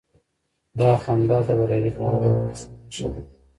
دا خندا د برياليتوب او خوښۍ نښه وه.